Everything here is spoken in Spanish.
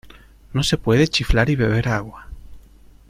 No se puede chiflar y beber agua.